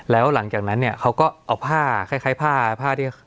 แล้วหลังจากนั้นเนี่ยเขาก็เอาผ้าคล้ายผ้าผ้าที่